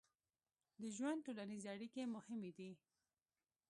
د ژوند ټولنیزې اړیکې مهمې دي.